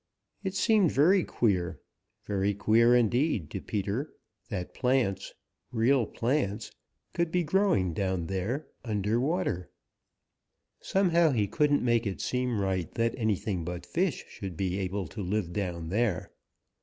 It seemed very queer, very queer indeed to Peter that plants, real plants, could be growing down there under water. Somehow he couldn't make it seem right that anything but fish should be able to live down there.